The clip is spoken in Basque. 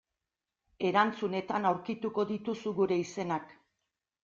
Erantzunetan aurkituko dituzu gure izenak.